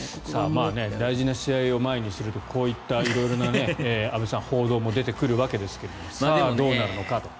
大事な試合を前にするとこういった色々な報道も出てくるわけですけどもでも、どうなるのかと。